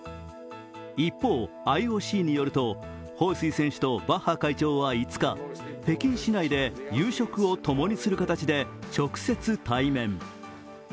一方、ＩＯＣによると、彭帥選手とバッハ会長は５日、北京市内で夕食を共にする形で直接対面。